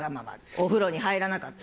お風呂に入らなかった。